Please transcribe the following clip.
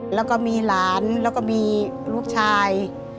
แล้วก็มีหลานแล้วก็มีลูกชาย